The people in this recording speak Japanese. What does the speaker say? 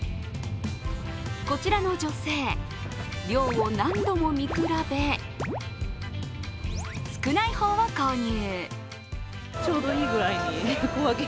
こちらの女性、量を何度も見比べ、少ない方を購入。